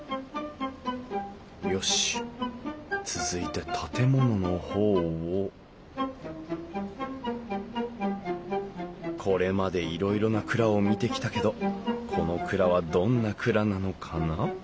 よし続いて建物の方をこれまでいろいろな蔵を見てきたけどこの蔵はどんな蔵なのかな？